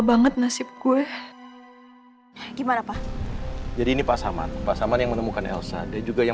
banget nasib gue gimana pak jadi ini pak samad pak samad yang menemukan elsa dia juga yang